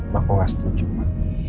maka aku gak setuju mama